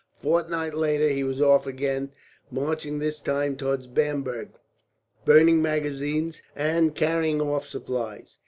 A fortnight later he was off again, marching this time towards Bamberg, burning magazines and carrying off supplies.